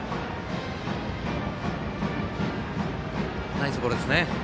ナイスボールですね。